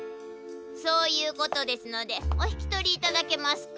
そういうことですのでおひきとりいただけますか。